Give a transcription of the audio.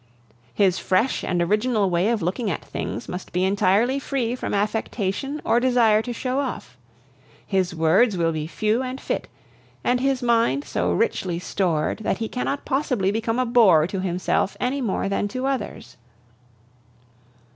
His fresh and original way of looking at things must be entirely free from affectation or desire to show off. His words will be few and fit, and his mind so richly stored, that he cannot possibly become a bore to himself any more than to others.